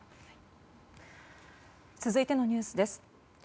続いてのニュースです。